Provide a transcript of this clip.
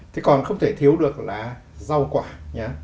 thế còn không thể thiếu được là rau quả nhé